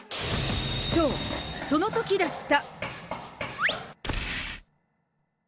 そう、そのときだった。